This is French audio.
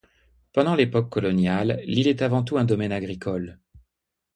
Pendant l'époque coloniale, l'île est avant tout un domaine agricole.